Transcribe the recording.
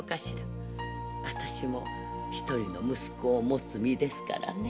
私もひとりの息子を持つ身ですからね。